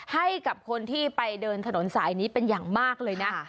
ให้กับคนที่ไปเดินถนนสายนี้เป็นอย่างมากเลยนะ